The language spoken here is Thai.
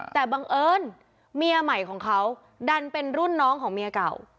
แต่บังเอิญเมียใหม่ของเขาดันเป็นรุ่นน้องของเมียเก่า